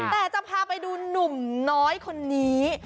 แต่จะพาไปดูหนุ่มน้อยคนนี้